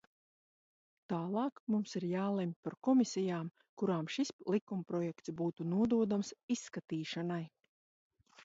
Tālāk mums ir jālemj par komisijām, kurām šis likumprojekts būtu nododams izskatīšanai.